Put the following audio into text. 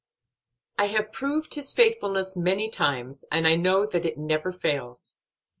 "I have proved His faithfulness many times, and I know that it never fails.